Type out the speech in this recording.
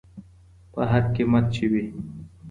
په هر قيمت چې وي.